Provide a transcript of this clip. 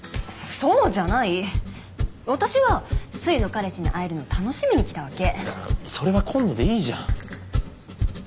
そうじゃない私はすいの彼氏に会えるの楽しみに来たわけだからそれは今度でいいじゃん